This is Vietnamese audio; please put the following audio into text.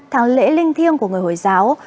tháng lễ linh thiêng của người hồi giáo